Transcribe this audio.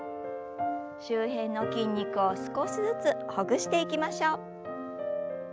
周辺の筋肉を少しずつほぐしていきましょう。